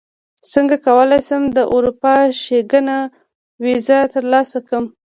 څنګه کولی شم د اروپا شینګن ویزه ترلاسه کړم